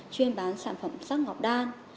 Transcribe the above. chuyên bán sản phẩm sắc ngọc đan